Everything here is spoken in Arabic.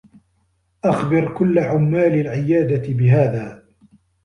أخبر كلّ عمّال العيادة بهذا.